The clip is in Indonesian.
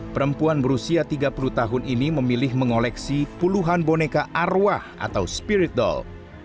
perempuan berusia tiga puluh tahun ini memilih mengoleksi puluhan boneka arwah atau spirit doll